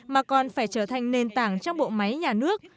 mà còn phải trở thành nền tảng trong bộ máy nhà nước